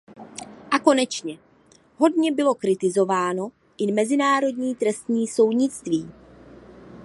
A konečně, hodně bylo kritizováno i mezinárodní trestní soudnictví.